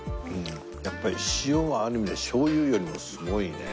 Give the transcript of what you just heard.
やっぱり塩はある意味で醤油よりもすごいね。